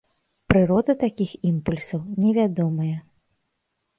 Прырода такіх імпульсаў невядомая.